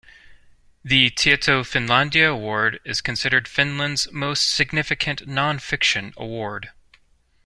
The Tieto-Finlandia Award is considered Finland's most significant non-fiction award.